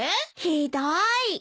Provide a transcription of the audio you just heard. ひどーい！